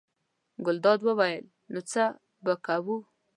ګلداد وویل: نو څه به کوو.